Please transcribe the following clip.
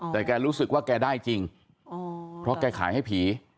แต่แกรู้สึกว่าแกได้จริงเพราะแกขายให้ผี